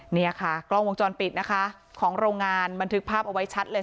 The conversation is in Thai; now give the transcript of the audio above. เนี่ยค่ะกล้องวงจรปิดนะคะของโรงงานบันทึกภาพเอาไว้ชัดเลย